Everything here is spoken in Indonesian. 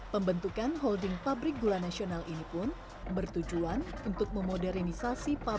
pembentukan holding pabrik gula nasional ini pun bertujuan untuk memodernisasi pasar